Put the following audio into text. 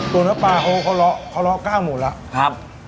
ตัวน้ำปลาโคลโคลละโคลละเก้าหมดแล้วครับ